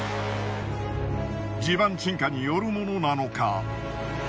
地盤沈下によるものなのか。